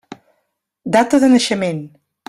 Data de naixement.